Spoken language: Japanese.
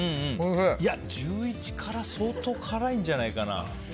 いや、１１辛は相当辛いんじゃないかな。